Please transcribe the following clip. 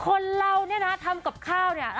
คนเราเนี่ยนะทำกับข้าวเนี่ย